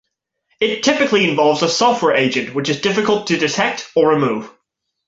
It typically involves a software agent which is difficult to detect or remove.